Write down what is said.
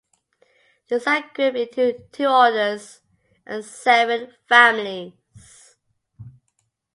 These are grouped into two orders and seven families.